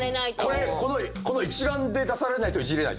この一覧で出されないといじれない。